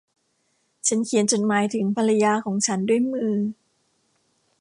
ฉันเขียนจดหมายถึงภรรยาของฉันด้วยมือ